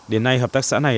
đến nay hợp tác xã này